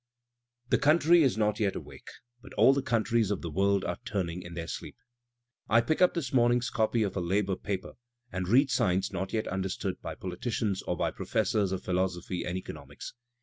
The country is not yet awake, but all the countries of the world are turning in their sleep. I pick up this morning's copy of a labour paper, and read signs not yet understood by politicians or by professors of philosophy and economics.